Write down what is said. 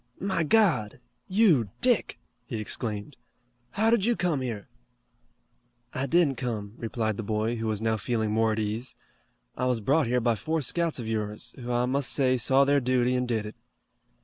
"My God! You, Dick!" he exclaimed. "How did you come here?" "I didn't come," replied the boy, who was now feeling more at ease. "I was brought here by four scouts of yours, who I must say saw their duty and did it."